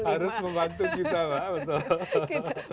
harus membantu kita pak betul